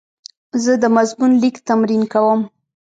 زه د مضمون لیک تمرین کوم.